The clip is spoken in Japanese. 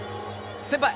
先輩。